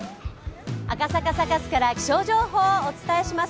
赤坂サカスから気象情報をお伝えします。